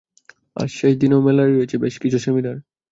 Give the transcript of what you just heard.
আজ শেষ দিনেও মেলায় রয়েছে বেশ কিছু সেমিনার।